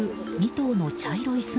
２頭の茶色い姿。